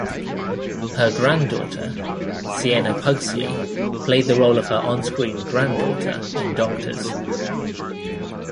Her granddaughter, Siena Pugsley, played the role of her on-screen granddaughter in "Doctors".